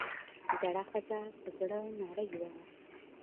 زړه ښځه پۀ زړۀ نرۍ وه ـ